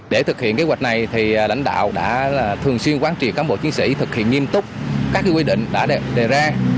để thực hiện kế hoạch này thì lãnh đạo đã thường xuyên quán trì cán bộ chiến sĩ thực hiện nghiêm túc các quy định đã đề ra